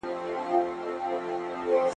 کارگه د زرکي تگ کاوه، خپل دا ئې هېر سو.